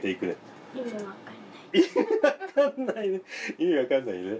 意味わかんないね！